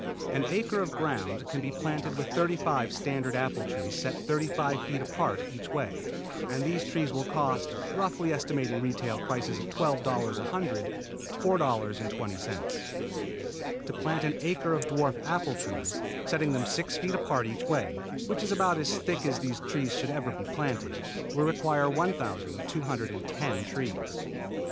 An acre of ground can be planted with thirty five standard apple trees set thirty five feet apart each way, and these trees will cost, roughly estimating retail prices at $12 a hundred, $4.20. To plant an acre to dwarf apple trees, setting them six feet apart each way, which is about as thick as these trees should ever be planted, will require 1,210 trees.